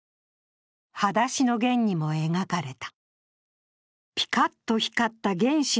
「はだしのゲン」にも描かれた。